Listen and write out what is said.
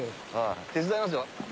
手伝いますよ。